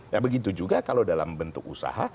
nah begitu juga kalau dalam bentuk usaha